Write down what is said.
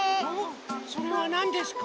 それはなんですか？